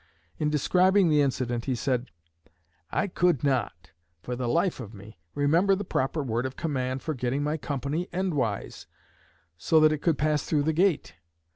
In describing the incident he said: "I could not, for the life of me, remember the proper word of command for getting my company endwise, so that it could pass through the gate.